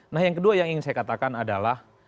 nah yang kedua yang ingin saya katakan adalah